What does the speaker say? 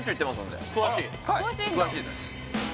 はい詳しいです